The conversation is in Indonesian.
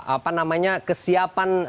apa namanya kesiapan